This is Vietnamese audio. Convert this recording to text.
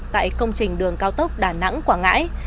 trình đường cao tốc đà nẵng quảng ngãi